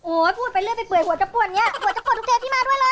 โอ้ยพูดไปเรื่อยหัวจับปวดนี้หัวจับปวดทุกเทปที่มาด้วยเลย